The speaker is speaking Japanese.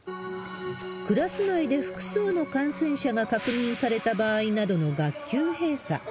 クラス内で複数の感染者が確認された場合などの学級閉鎖。